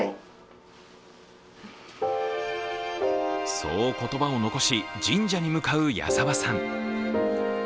そう言葉を残し、神社に向かう矢澤さん。